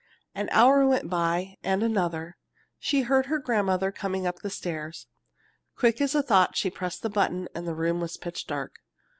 An hour went by, and another. She heard her grandmother coming up the stairs. Quick as thought she pressed the button and the room was pitch dark.